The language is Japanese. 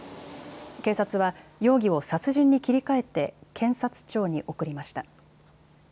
警察は容疑を殺人に切り替えて検察庁に送りました。